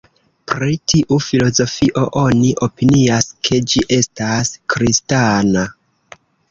Pri tiu filozofio oni opinias, ke ĝi estas kristana.